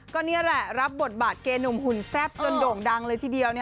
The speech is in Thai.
ก็นี่แหละรับบทบาทเกหนุ่มหุ่นแซ่บจนโด่งดังเลยทีเดียว